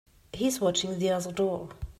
He's watching the other door.